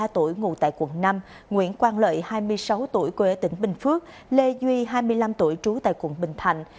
ba mươi tuổi ngủ tại quận năm nguyễn quang lợi hai mươi sáu tuổi quê tỉnh bình phước lê duy hai mươi năm tuổi trú tại quận bình thạnh